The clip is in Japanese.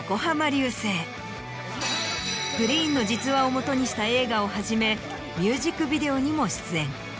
ＧＲｅｅｅｅＮの実話をもとにした映画をはじめミュージックビデオにも出演。